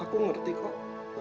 aku ngerti kok